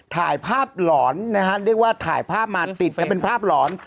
ถ่ายภาพหลอนนะฮะเรียกว่าถ่ายภาพมาติดกันเป็นภาพหลอน